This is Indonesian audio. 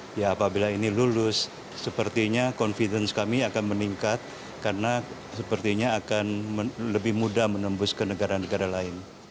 ya apabila ini lulus sepertinya confidence kami akan meningkat karena sepertinya akan lebih mudah menembus ke negara negara lain